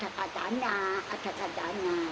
sekarang belakang itu ada kacanya